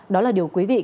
đó là điều quý vị biết